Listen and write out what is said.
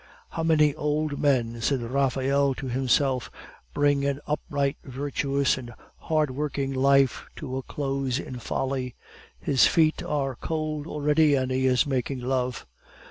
"How many old men," said Raphael to himself, "bring an upright, virtuous, and hard working life to a close in folly! His feet are cold already, and he is making love."